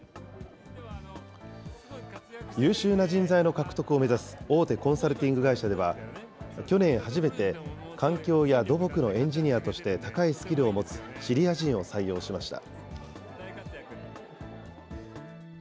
優秀な人材の獲得を目指す大手コンサルティング会社では、去年初めて、環境や土木のエンジニアとして高いスキルを持つシリア人を採用しました。